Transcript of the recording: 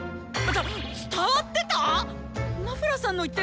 伝わってた！